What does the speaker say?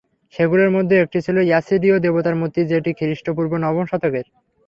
সেগুলোর মধ্যে একটি ছিল অ্যাসিরীয় দেবতার মূর্তি, যেটি খ্রিষ্টপূর্ব নবম শতকের।